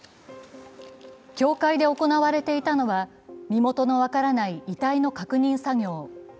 教会で行われていたのは身元の分からない遺体の確認作業。